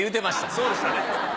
そうでしたね。